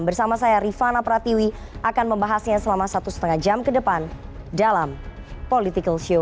bersama saya rifana pratiwi akan membahasnya selama satu lima jam ke depan dalam political show